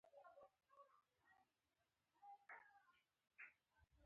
لفظونه، نه لري د ستورو او سپوږمۍ په لاس